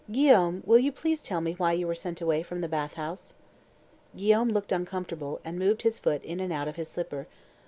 Guillaume, will you please tell me why you were sent away from the bath house?" Guillaume looked uncomfortable, and moved his foot in and out of his slipper.